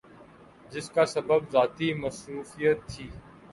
جس کا سبب ذاتی مصروفیت تھی ۔